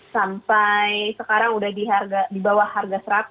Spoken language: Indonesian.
sampai sekarang udah di harga di bawah harga seratus ya